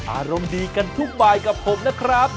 อารมณ์ดีกันทุกบายกับผมนะครับ